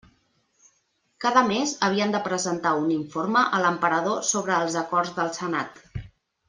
Cada mes havien de presentar un informe a l'emperador sobre els acords del senat.